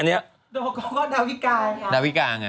ดวักก่อก็ดาวิกา